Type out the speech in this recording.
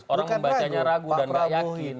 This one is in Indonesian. orang membacanya ragu dan gak yakin